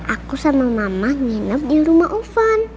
aku sama mama nginep di rumah ovan